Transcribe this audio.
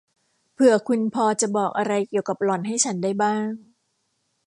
เผื่อคุณพอจะบอกอะไรเกี่ยวกับหล่อนให้ฉันได้บ้าง